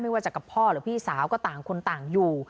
ว่าจะกับพ่อหรือพี่สาวก็ต่างคนต่างอยู่